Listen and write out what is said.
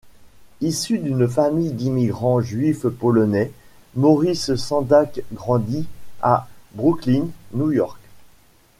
Issu d'une famille d'immigrants juifs-polonais, Maurice Sendak grandit à Brooklyn, New York.